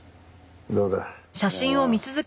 どうだ？